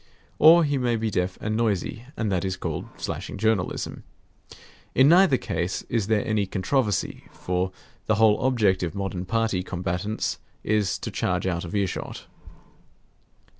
Or he may be deaf and noisy; and that is called slashing journalism. In neither case is there any controversy; for the whole object of modern party combatants is to charge out of earshot.